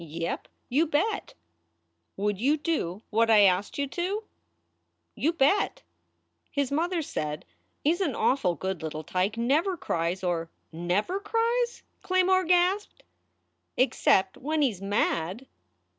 "Yep; you bet." "Would you do what I asked you to?" "You bet." His mother said, "He s an awful good little tike never cries or " "Never cries?" Claymore gasped. "Except when he s mad."